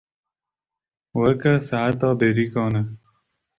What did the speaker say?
Weke saeta bêrîkan e.